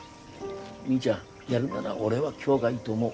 みーちゃんやるなら俺は今日がいいと思う。